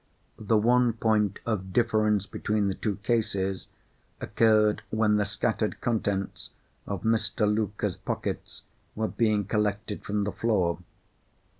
The one point of difference between the two cases occurred when the scattered contents of Mr. Luker's pockets were being collected from the floor.